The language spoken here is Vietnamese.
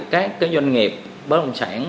các doanh nghiệp bất động sản